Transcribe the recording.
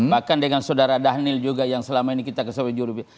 bahkan dengan saudara dhanil juga yang selama ini kita ketahui jurubicara